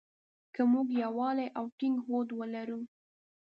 که مونږ يووالی او ټينګ هوډ ولرو.